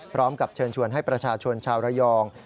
พร้อมกับเชิญชวนให้ประชาชนชาวระยอง